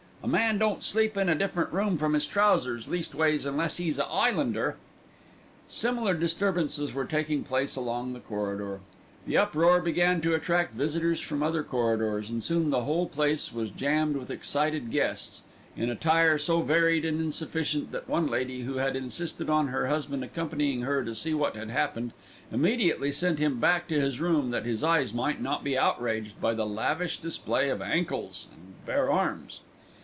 "A man don't sleep in a different room from his trousers, leastways, unless 'e's a 'Ighlander." Similar disturbances were taking place along the corridor. The uproar began to attract visitors from other corridors, and soon the whole place was jammed with excited guests, in attire so varied and insufficient that one lady, who had insisted on her husband accompanying her to see what had happened, immediately sent him back to his room that his eyes might not be outraged by the lavish display of ankles and bare arms.